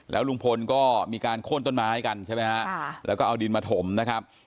ลุงพลก็มีการโค้นต้นไม้กันใช่ไหมฮะแล้วก็เอาดินมาถมนะครับ